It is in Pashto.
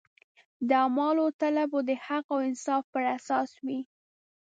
د اعمالو تله به د حق او انصاف پر اساس وي.